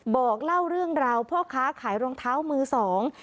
บอกเล่าเรื่องราวพ่อค้าขายรองเท้ามือสอง